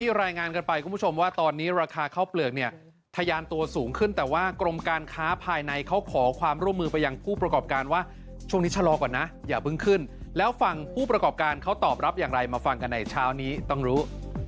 รายงานกันไปคุณผู้ชมว่าตอนนี้ราคาข้าวเปลือกเนี่ยทะยานตัวสูงขึ้นแต่ว่ากรมการค้าภายในเขาขอความร่วมมือไปยังผู้ประกอบการว่าช่วงนี้ชะลอก่อนนะอย่าเพิ่งขึ้นแล้วฝั่งผู้ประกอบการเขาตอบรับอย่างไรมาฟังกันในเช้านี้ต้องรู้